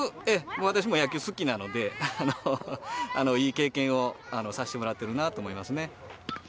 私も野球好きなので、いい経験をさしてもらってるなと思いますね。